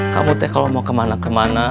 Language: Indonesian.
kamu deh kalo mau kemana kemana